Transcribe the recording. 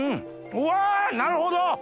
うわなるほど！